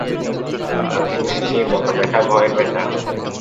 লাথি ঘুষির চেয়ে বড়ো ব্যথা ভয়ের ব্যথা!